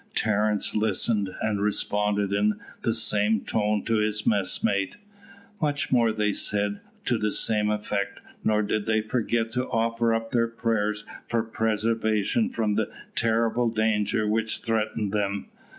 Terence listened, and responded in the same tone to his messmate. Much more they said to the same effect, nor did they forget to offer up their prayers for preservation from the terrible danger which threatened them.